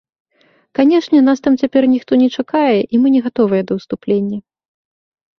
Канечне, нас там цяпер ніхто не чакае, і мы не гатовыя да ўступлення.